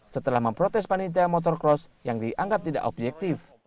setelah memprotes panitia motor cross yang dianggap tidak objektif